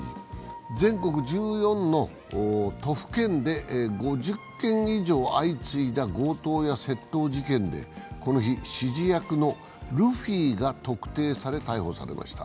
全国１４の都府県で５０件以上相次いだ強盗や窃盗事件でこの日、指示役のルフィが特定され、逮捕されました。